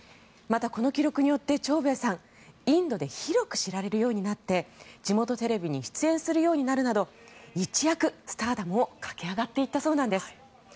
また、この記録によってチョウベイさんインドで広く知られるようになって地元テレビに出演するようになるなど一躍スターダムを駆け上がっていったそうなんです。